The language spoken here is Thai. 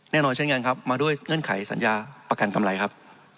แน่นอนเช่นกันครับมาด้วยเงื่อนไขสัญญาประกันกำไรครับ